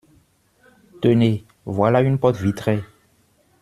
Tenez, voilà une porte vitrée.